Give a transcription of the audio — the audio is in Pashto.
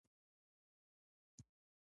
ایا ستاسو کمښت به پوره نه شي؟